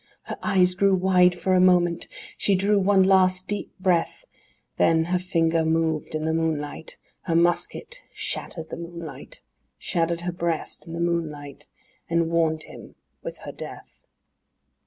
Her eyes grew wide for a moment; she drew one last deep breath, Then her finger moved in the moonlight, Her musket shattered the moonlight, Shattered her breast in the moonlight and warned him—with her death.